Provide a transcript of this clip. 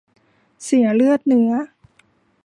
เสียเลือดเนื้อ